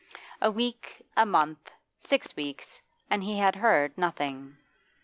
A week, a month, six weeks, and he had heard nothing.